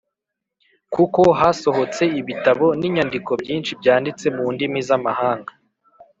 kuko hasohotse ibitabo n’inyandiko byinshi byanditse mu ndimi z’amahanga